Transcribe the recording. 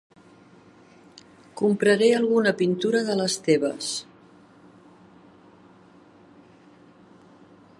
Compraré alguna pintura de les teves.